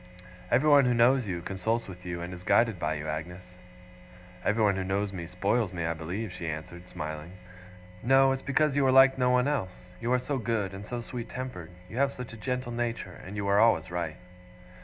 Everyone who knows you, consults with you, and is guided by you, Agnes.' 'Everyone who knows me, spoils me, I believe,' she answered, smiling. 'No. It's because you are like no one else. You are so good, and so sweet tempered. You have such a gentle nature, and you are always right.